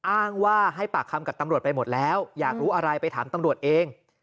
อ้างว่าให้ปากคำกับตำรวจไปหมดแล้วอยากรู้อะไรไปถามตำรวจเอง